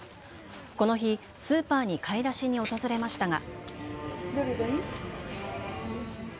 この日、スーパーに買い出しに訪れましたが。